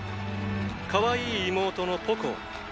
かわいい妹のポコア。